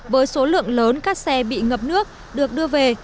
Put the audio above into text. với số lượng lớn các xe bị ngập nước được đưa về